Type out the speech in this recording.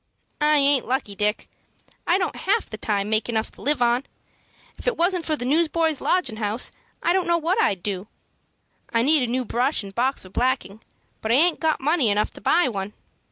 "I aint lucky, Dick. I don't half the time make enough to live on. If it wasn't for the Newsboys' Lodgin' House, I don't know what I'd do. I need a new brush and box of blacking, but I aint got money enough to buy one."